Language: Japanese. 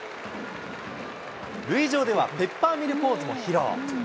塁上ではペッパーミルポーズも披露。